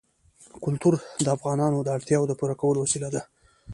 کلتور د افغانانو د اړتیاوو د پوره کولو وسیله ده.